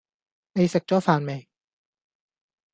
你食咗飯未？